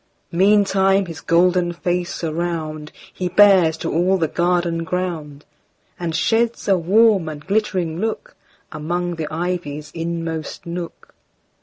Meantime his golden face aroundHe bears to all the garden ground, And sheds a warm and glittering lookAmong the ivy's inmost nook.